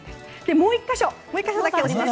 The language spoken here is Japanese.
もう１か所。